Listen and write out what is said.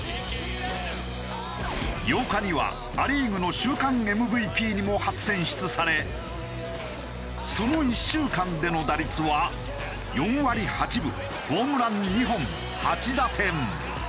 ８日にはア・リーグの週間ＭＶＰにも初選出されその１週間での打率は４割８分ホームラン２本８打点。